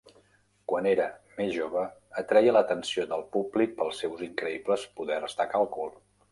Quan era més jove, atreia l'atenció del públic pels seus increïbles poders de càlcul.